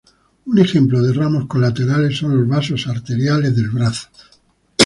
Un ejemplo de ramos colaterales son los vasos arteriales del brazo.